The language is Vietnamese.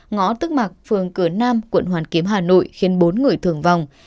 ngõ tức mạc phường cửa nam quận hoàn kiếm hà nội khiến bốn người thương vong